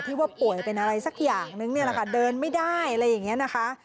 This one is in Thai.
ว่าป่วยเป็นอะไรสักอย่างนึงเนี่ยแหละค่ะเดินไม่ได้อะไรอย่างนี้นะคะ